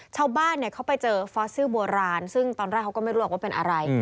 ชาวบ้านเขาไปเจอฟอสซิลโบราณซึ่งตอนแรกเขาก็ไม่รู้หรอกว่าเป็นอะไร